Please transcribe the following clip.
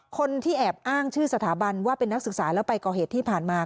คนที่แอบอ้างชื่อสถาบันว่าเป็นนักศึกษาแล้วไปก่อเหตุที่ผ่านมา